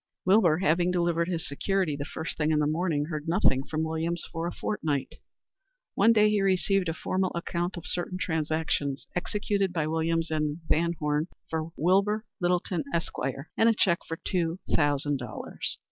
Wilbur having delivered his security the first thing in the morning, heard nothing further from Williams for a fortnight. One day he received a formal account of certain transactions executed by Williams and VanHorne for Wilbur Littleton, Esq., and a check for two thousand dollars.